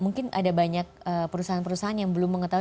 mungkin ada banyak perusahaan perusahaan yang belum mengetahui